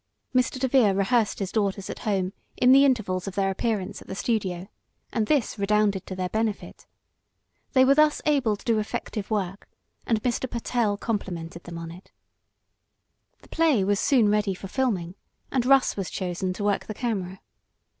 Mr. DeVere rehearsed his daughters at home in the intervals of their appearance at the studio, and this redounded to their benefit. They were thus able to do effective work, and Mr. Pertell complimented them on it. The play was soon ready for filming, and Russ was chosen to work the camera.